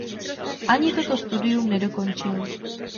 Ani toto studium nedokončil.